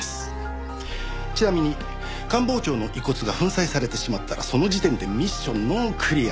ちなみに官房長の遺骨が粉砕されてしまったらその時点でミッションノークリア。